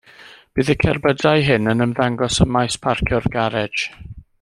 Bydd y cerbydau hyn yn ymddangos ym maes parcio'r garej.